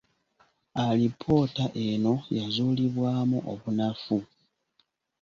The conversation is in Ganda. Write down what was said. Alipoota eno yazuulibwamu obunafu.